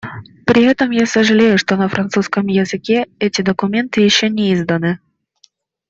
При этом я сожалею, что на французском языке эти документы еще не изданы.